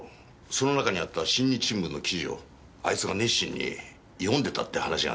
その中にあった新日新聞の記事をあいつが熱心に読んでたって話があってな。